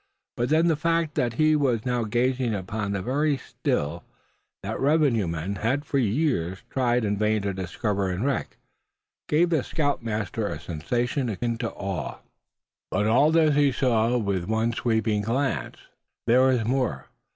But then the fact that he was now gazing upon the very Still that revenue men had for years tried in vain to discover and wreck, gave the scoutmaster a sensation akin to awe. But all this he saw with one sweeping glance. There was more.